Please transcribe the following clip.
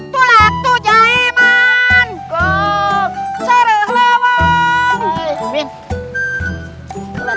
karakter yang lebih voyager